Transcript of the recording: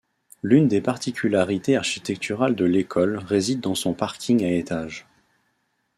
L’une des particularités architecturales de l’école réside dans son parking à étages.